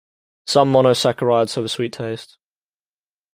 Some monosaccharides have a sweet taste.